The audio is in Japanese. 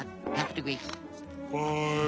はい！